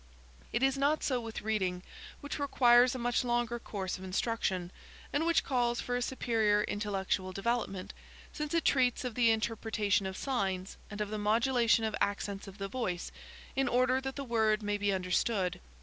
It is not so with reading, which requires a much longer course of instruction, and which calls for a superior intellectual development, since it treats of the interpretation of signs, and of the modulation of accents of the voice, in order that the word may be understood.